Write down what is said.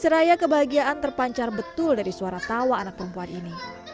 seraya kebahagiaan terpancar betul dari suara tawa anak perempuan ini